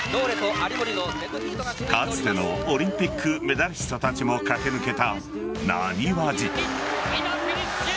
かつてのオリンピックメダリストたちも駆け抜けたなにわ路。